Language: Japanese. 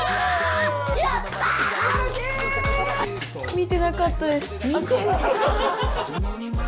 見てなかったです。